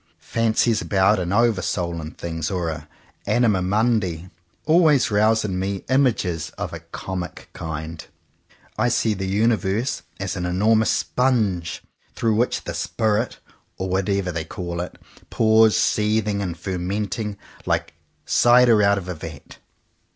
Fancies about an over soul in things, or an "anima mundi," always rouse in me images of a comic kind. I see the universe as an enormous sponge; through which the "spirit," or whatever they 60 JOHN COWPER POWYS call it, pours, seething and fermenting, like cider out of a vat.